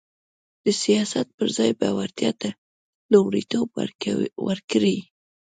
د سیاست پر ځای به وړتیا ته لومړیتوب ورکړي